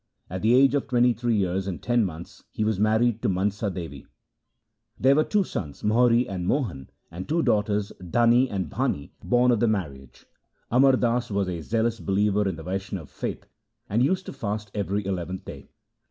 At the age of twenty three years and ten months he was married to Mansa Devi. There were two sons, Mohri and Mohan, and two daughters, Dani and Bhani, born of the marriage. Amar Das was a zealous believer in the Vaishnav faith, and used to fast every eleventh day.